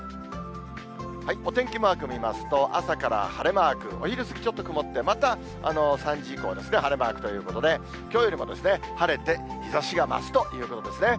お天気マーク見ますと、朝から晴れマーク、お昼過ぎ、ちょっと曇って、また３時以降ですね、晴れマークということで、きょうよりも晴れて、日ざしが増すということですね。